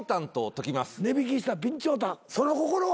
値引きした備長炭その心は？